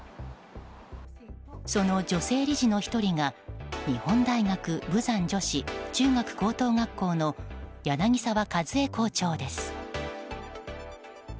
その女性理事の１人が日本大学豊山女子中学・高等学校の柳沢一恵校長です。